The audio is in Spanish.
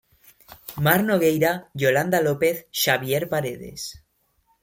Mar Nogueira, Yolanda López, Xavier Paredes.